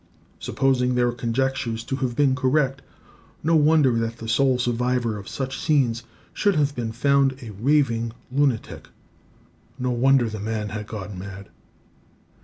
Supposing their conjectures to have been correct, no wonder that the sole survivor of such scenes should have been found a raving lunatic, no wonder the man had gone mad!